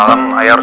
dia punya brow